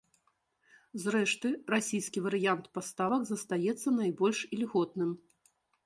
Зрэшты, расійскі варыянт паставак застаецца найбольш ільготным.